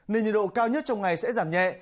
nên nhiệt độ cao nhất trong ngày sẽ giảm nhẹ